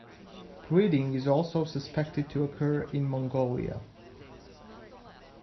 Breeding is also suspected to occur in Mongolia.